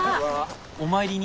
お参りに？